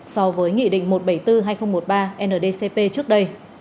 so với nghị định một trăm bảy mươi bốn hai nghìn một mươi ba ndcp trước đây